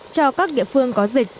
cho các địa phương có dịch